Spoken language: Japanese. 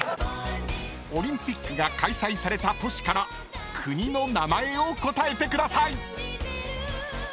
［オリンピックが開催された都市から国の名前を答えてください］